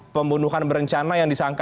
pembunuhan berencana yang disangka